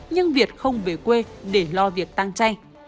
nhưng việt không về quê để lo việc tăng chay